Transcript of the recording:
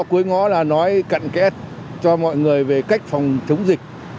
cuối ngõ là nói cận kết cho mọi người về cách phòng chống dịch